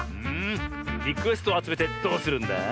リクエストをあつめてどうするんだ？